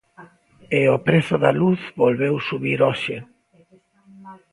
E o prezo da luz volveu subir hoxe.